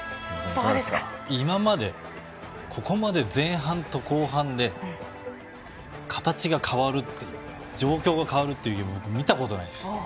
今までここまで前半と後半で形が変わるって状況が変わるってゲームを見たことないです。